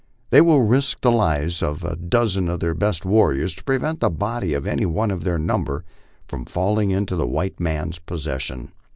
They will risk the lives of a dozen of their best warriors to prevent the body of any one of their number from falling into the white man's possession.